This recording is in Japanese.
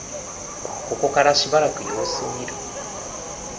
ここからしばらく様子を見る